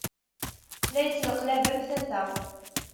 La ittneqlab am tata.